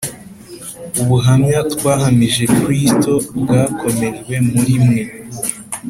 ubuhamya twahamije Kristo bwakomejwe muri mwe;